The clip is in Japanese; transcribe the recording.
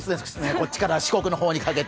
こっちから四国にかけて。